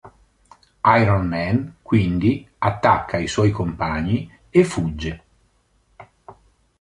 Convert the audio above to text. Iron Man quindi attacca i suoi compagni e fugge.